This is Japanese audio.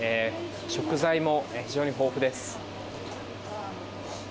食材も非常に豊富です。